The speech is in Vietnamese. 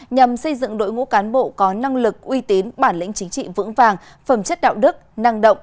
nhằm xây dựng đội ngũ cán bộ có năng lực uy tín bản lĩnh chính trị vững vàng phẩm chất đạo đức năng động